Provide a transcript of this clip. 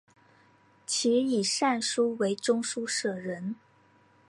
其以善书为中书舍人。